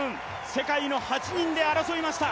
世界の８人で争いました！